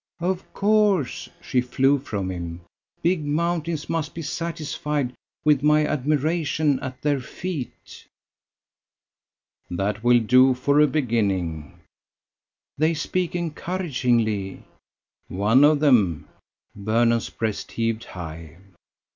." "Of course," she flew from him, "big mountains must be satisfied with my admiration at their feet." "That will do for a beginning." "They speak encouragingly." "One of them." Vernon's breast heaved high.